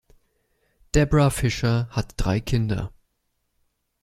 Debra Fischer hat drei Kinder.